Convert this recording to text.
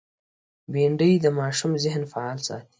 بېنډۍ د ماشوم ذهن فعال ساتي